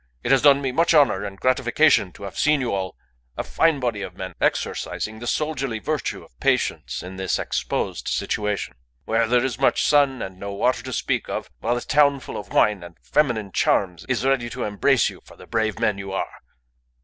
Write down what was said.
It has done me much honour and gratification to have seen you all, a fine body of men exercising the soldierly virtue of patience in this exposed situation, where there is much sun, and no water to speak of, while a town full of wine and feminine charms is ready to embrace you for the brave men you are.